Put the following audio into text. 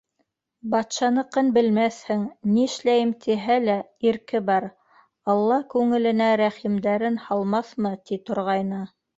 Батшаныҡын белмәҫһең, нишләйем тиһә лә, ирке бар, алла күңеленә рәхимдәрен һалмаҫмы, -ти торғайны.